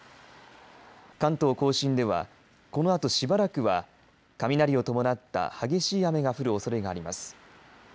関東甲信ではこのあと、しばらくは雷を伴った激しい雨が降るおそれがあります。